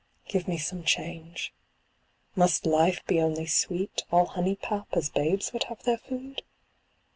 Give me some change. Must life be only sweet, all honey pap as babes would have their food?